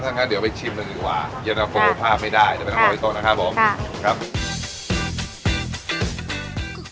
ท่านค่ะเดี๋ยวไปชิมหนึ่งดีกว่าเย็นตะโฟภาพไม่ได้เดี๋ยวไปนั่งรออีกโต๊ะนะครับผมค่ะครับ